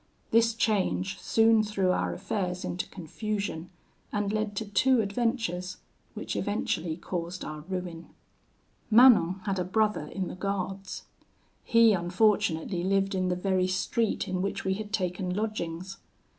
This change soon threw our affairs into confusion, and led to two adventures, which eventually caused our ruin. "Manon had a brother in the Guards. He unfortunately lived in the very street in which we had taken lodgings.